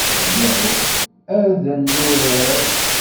Yyaw ad nurar.